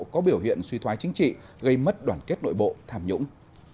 có biểu hiện suy thoái chính trị gây mất đoàn kết nội bộ tham nhũng